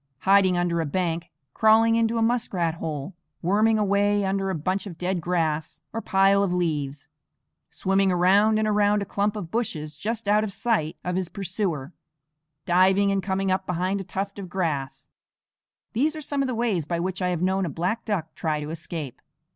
Hiding under a bank, crawling into a muskrat hole, worming a way under a bunch of dead grass or pile of leaves, swimming around and around a clump of bushes just out of sight of his pursuer, diving and coming up behind a tuft of grass, these are some of the ways by which I have known a black duck try to escape.